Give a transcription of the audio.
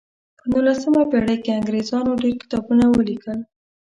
په نولسمه پیړۍ کې انګریزانو ډیر کتابونه ولیکل.